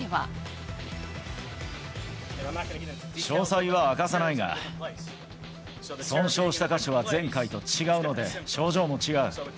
詳細は明かさないが、損傷した箇所は前回と違うので症状も違う。